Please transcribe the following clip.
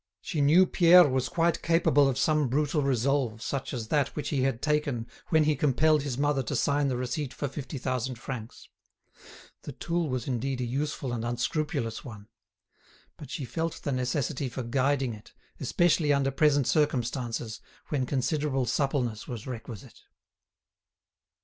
She knew Pierre was quite capable of some brutal resolve such as that which he had taken when he compelled his mother to sign the receipt for fifty thousand francs; the tool was indeed a useful and unscrupulous one; but she felt the necessity for guiding it, especially under present circumstances, when considerable suppleness was requisite.